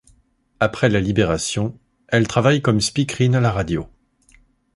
Après la Libération, elle travaille comme speakerine à la radio.